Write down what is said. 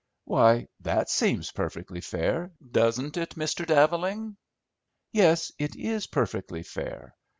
"Why, that seems perfectly fair, doesn't it, Mr. Daveling?" "Yes, it is perfectly fair.